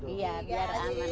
iya biar aman